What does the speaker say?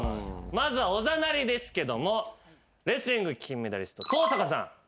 まずは「おざなり」ですけどもレスリング金メダリスト登坂さん。